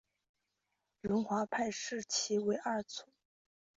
龙华派视其为二祖。